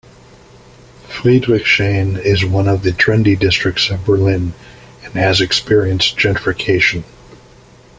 Friedrichshain is one of the trendy districts of Berlin and has experienced gentrification.